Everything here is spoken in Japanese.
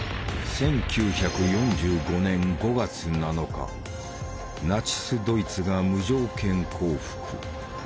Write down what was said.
１９４５年５月７日ナチス・ドイツが無条件降伏。